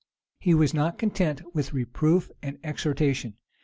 '"[*] He was not content with reproof and exhortation.